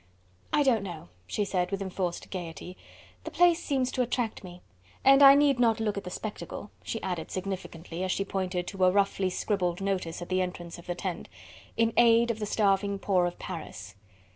"I don't know," she said, with enforced gaiety, "the place seems to attract me. And I need not look at the spectacle," she added significantly, as she pointed to a roughly scribbled notice at the entrance of the tent: "In aid of the starving poor of Paris."